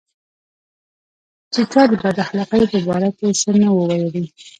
چې چا د بد اخلاقۍ په باره کې څه نه وو ویلي.